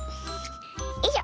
よいしょ！